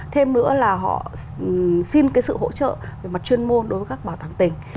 thêm nữa là họ xin cái sự hỗ trợ về mặt chuyên môn đối với các bảo tàng tỉnh